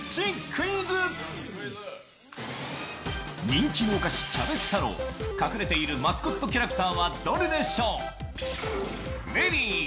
人気のお菓子キャベツ太郎隠れているマスコットキャラクターはどれでしょう。